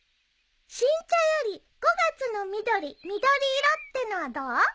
「新茶より５月の緑緑色」ってのはどう？